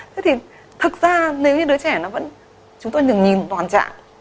thế thì thật ra nếu như đứa trẻ nó vẫn chúng ta nhìn toàn trạng